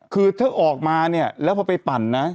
คือถ้าออกมาเนี่ยแล้วพอไปปั่นนะ